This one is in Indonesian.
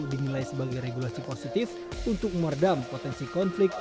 dinilai sebagai regulasi positif untuk meredam potensi konflik